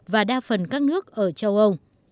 và đa phần các nước ở châu âu